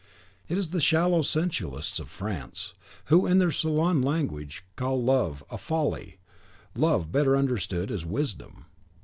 It is the shallow sensualists of France, who, in their salon language, call love "a folly," love, better understood, is wisdom.